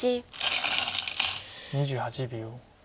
２８秒。